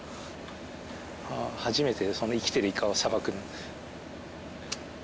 初めてです生きてるイカをさばくの。